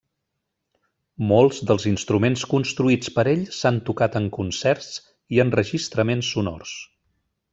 Molts dels instruments construïts per ell s'han tocat en concerts i enregistraments sonors.